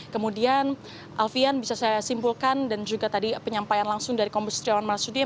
kemudian alfian bisa saya simpulkan dan juga tadi penyampaian langsung dari komunistri awan marasudie